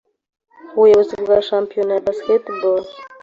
Ubuyobozi bwa Shampiyona ya Basketball